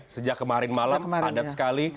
sejak kemarin malam padat sekali